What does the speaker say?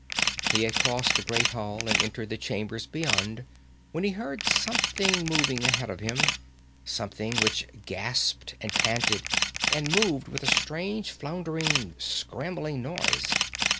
He had crossed the Great Hall and entered the chambers beyond when he heard something moving ahead of him something which gasped and panted, and moved with a strange, floundering, scrambling noise.